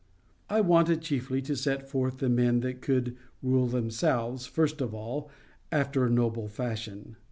I wanted chiefly to set forth the men that could rule themselves, first of all, after a noble fashion.